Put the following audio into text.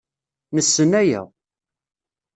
Nessen aya.